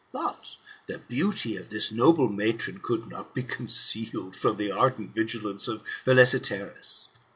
But the beauty of this noble matron could not be concealed from the ardent vigilance of Philesietaerus.